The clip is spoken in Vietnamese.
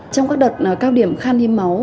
trong các đợt cao điểm khan hiến máu